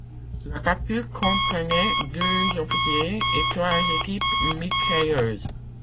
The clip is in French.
La capture comprenait deux officiers et trois équipes mitrailleuses.